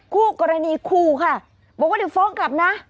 คู่กรณีคู่ค่ะบอกว่าเดี๋ยวฟ้องกลับนะ